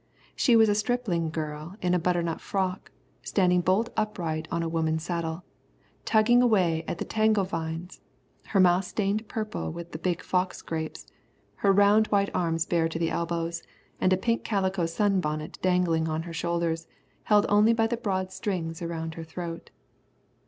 She was a stripling of a girl in a butternut frock, standing bolt upright on a woman's saddle, tugging away at a tangle of vines, her mouth stained purple with the big fox grapes, her round white arms bare to the elbows, and a pink calico sun bonnet dangling on her shoulders, held only by the broad strings around her throat.